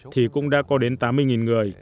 thì cũng đã có đến tám mươi người